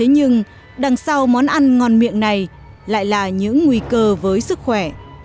nhưng đằng sau món ăn ngon miệng này lại là những nguy cơ với sức khỏe